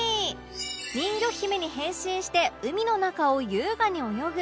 人魚姫に変身して海の中を優雅に泳ぐ